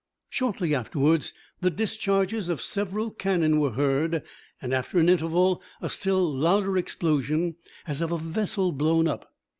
Shortly afterwards the discharges of several cannon were heard, and after an interval a still louder explosion, as of a vessel blown up.